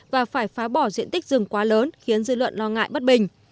và phải phá bỏ diện tích rừng quá lớn khiến dư luận lo ngại bất bình